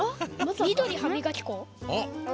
みどり歯みがき粉。